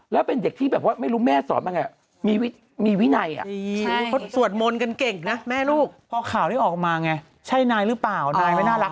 มันเป็นคนที่คิดใหน่น่ารัก